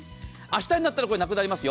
明日になったらなくなります。